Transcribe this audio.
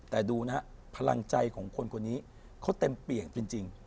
แต่ดูนะฮะพลังใจของคนคนนี้เขาเต็มเปี่ยงจริง